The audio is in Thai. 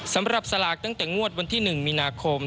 สำหรับสลากตั้งแต่งวดวันที่๑มีนาคม